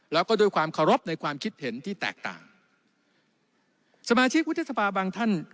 แล้วก็ด้วยความเคารพในความคิดเห็นที่แตกต่างสมาชิกวุฒิสภาบางท่าน